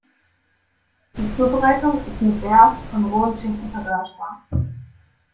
Die Zubereitung ist mit der von rohem Schinken vergleichbar.